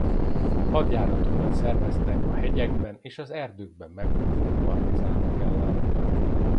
Hadjáratokat szerveztek a hegyekben és az erdőkben megbúvó partizánok ellen.